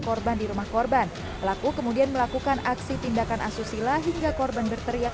korban di rumah korban pelaku kemudian melakukan aksi tindakan asusila hingga korban berteriak